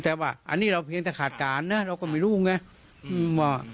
แต่ว่าอันนี้เราเพียงแต่ขาดการนะเราก็ไม่รู้ไงว่า